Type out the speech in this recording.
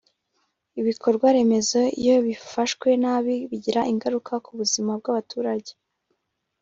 Ibikorwaremezo iyo bifashwe nabi bigira ingaruka ku buzima bw’abaturage